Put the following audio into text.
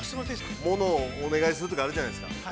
◆ものをお願いするときあるじゃないですか。